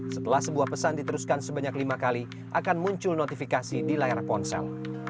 setelah sebuah pesan diteruskan sebanyak lima kali akan muncul notifikasi di layar ponsel